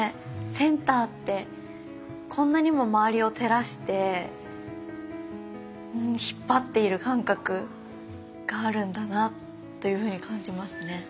センターってこんなにも周りを照らして引っ張っている感覚があるんだなというふうに感じますね。